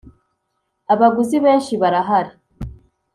abaguzi benshi barahari.